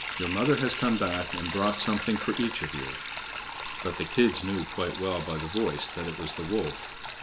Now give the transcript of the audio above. Your mother has come back and brought something for each of you." But the kids knew quite well by the voice that it was the wolf.